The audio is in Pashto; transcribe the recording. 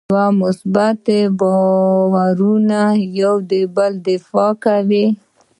دوه مثبت بارونه یو بل دفع کوي.